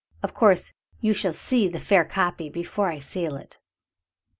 Of course, you shall see the fair copy before I seal it."